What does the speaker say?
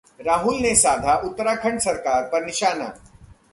राहुल ने साधा उत्तराखंड सरकार पर निशाना